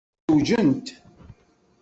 Zewǧent.